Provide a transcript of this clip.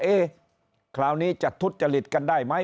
เฮ้เคลาหนี้จะทุจริตกันได้มั้ย